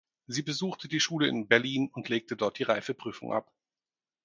Sie besuchte die Schule in Berlin und legte dort die Reifeprüfung ab.